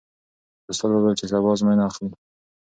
استاد وویل چې سبا ازموینه اخلي.